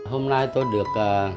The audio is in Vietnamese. hôm nay tôi được